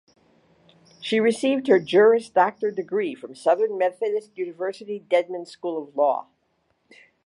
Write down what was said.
She received her Juris Doctor degree from Southern Methodist University Dedman School of Law.